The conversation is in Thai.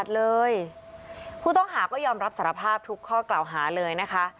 เลยผู้ต้องหาก็ยอมรับสารภาพทุกข้อกล่าวหาเลยนะคะ